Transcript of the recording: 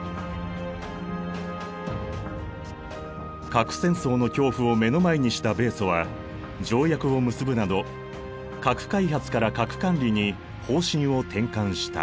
核戦争の恐怖を目の前にした米ソは条約を結ぶなど核開発から核管理に方針を転換した。